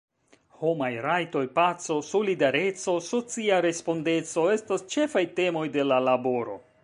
Homaj rajtoj, paco, solidareco, socia respondeco estas ĉefaj temoj de la laboro.